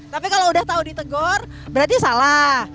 tapi kalau sudah tahu ditegur berarti salah